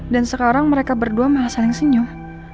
dan sekarang mereka berdua malah saling senyum